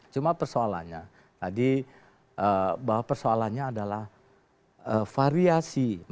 cuma persoalannya tadi bahwa persoalannya adalah variasi